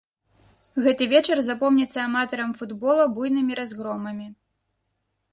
Гэты вечар запомніцца аматарам футбола буйнымі разгромамі.